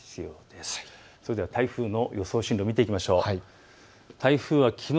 それでは台風の予想進路を見ていきましょう。